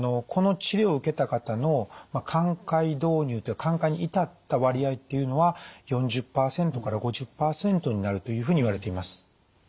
この治療を受けた方の寛解導入って寛解に至った割合っていうのは４０％から５０％になるというふうにいわれています。